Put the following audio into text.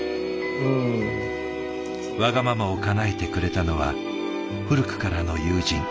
わがままをかなえてくれたのは古くからの友人。